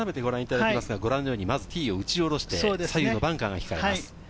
ご覧のように、まずティーを打ち下ろして、左右のバンカーが控えています。